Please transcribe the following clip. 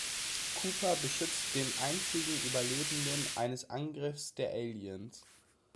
Cooper beschützt den einzigen Überlebenden eines Angriffs der Aliens.